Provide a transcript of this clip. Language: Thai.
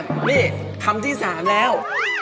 นี่คำที่๓แล้ว